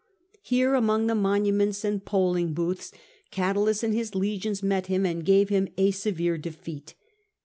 Here, among the monuments and polling booths, Catulus and his legions met him and gave him a severe defeat.